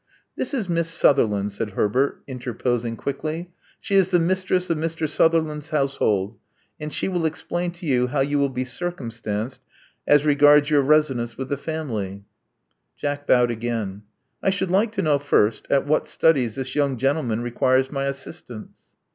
Thisis Miss Sutherland," said Herbert, interposing quickly. She is the mistress of Mr. Sutherland's household; and she will explain to you how you will be circumstanced as regards your residence with the family." Jack bowed again. I should like to know, first, at what studies this young gentleman requires my assistance."